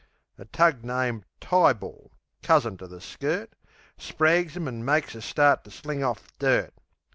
A tug named Tyball (cousin to the skirt) Sprags 'em an' makes a start to sling off dirt.